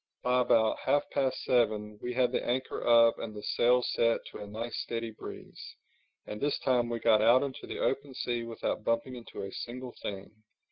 By about half past seven we had the anchor up and the sails set to a nice steady breeze; and this time we got out into the open sea without bumping into a single thing.